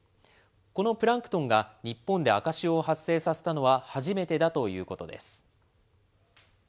このプランクトンが日本で赤潮を発生させたのは初めてだということです。